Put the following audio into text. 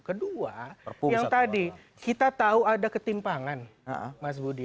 kedua yang tadi kita tahu ada ketimpangan mas budi